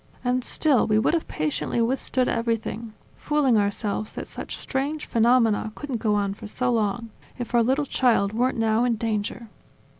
.. And still we would have patiently withstood everything, fooling ourselves that such strange phenomena couldn't go on for so long, if our little child weren't now in danger."